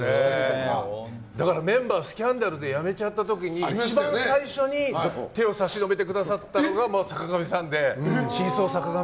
だからメンバーがスキャンダルで辞めちゃった時に一番最初に手を差し伸べてくださったのが坂上さんで。